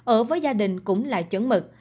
ở với gia đình cũng là chấn mực